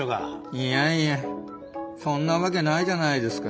いやいやそんなわけないじゃないですか。